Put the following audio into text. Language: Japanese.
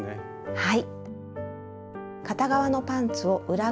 はい。